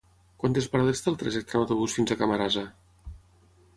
Quantes parades té el trajecte en autobús fins a Camarasa?